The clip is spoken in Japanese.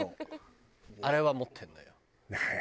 あれは持ってるのよ。